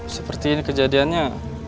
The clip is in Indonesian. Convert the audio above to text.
seperti ini kejadiannya